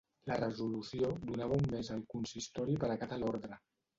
La resolució donava un mes al consistori per acatar l’ordre.